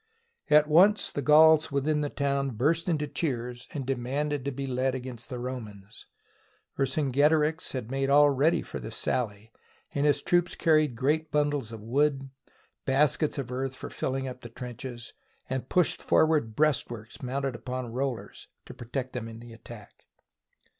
At once the Gauls within the town burst into cheers and demanded to be led against the Romans. Vercingetorix had made all ready for the sally, and his troops carried great bundles of wood, baskets of earth for filling up the trenches, and pushed for ward breastworks mounted upon rollers, to protect them in the attack.